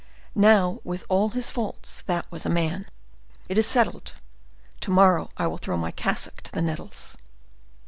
Now, with all his faults, that was a man! It is settled: to morrow I will throw my cassock to the nettles."